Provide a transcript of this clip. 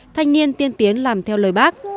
thanh niên tiên tiến làm theo lời bác